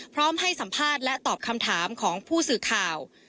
พร้อมให้สัมภาษณ์และตอบคำถามของผู้สื่อข่าว